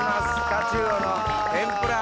タチウオの天ぷら。